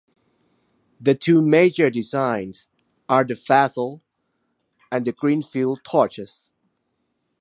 The two major designs are the Fassel and Greenfield torches.